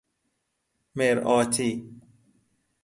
مرآتی